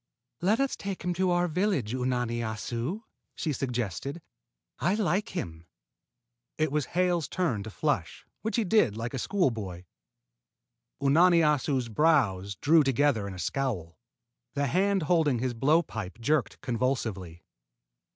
"Let us take him to our village, Unani Assu!" she suggested. "I like him." It was Hale's turn to flush, which he did like a schoolboy. Unani Assu's brows drew together in a scowl. The hand holding his blow pipe jerked convulsively.